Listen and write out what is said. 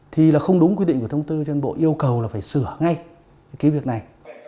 thì là không đúng quy định của thông tư cho nên bộ yêu cầu là phải sửa ngay cái việc này